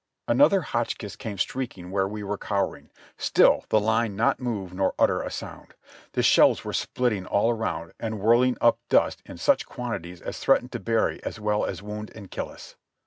Another Hotchkiss came shrieking where we were cowering, still the line not move nor utter a sound; the shells were splitting all around and whirling the dust up in such cjuantities as threatened to bury as well as wound and kill us.